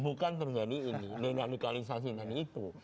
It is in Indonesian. bukan terjadi ini deradikalisasi tadi itu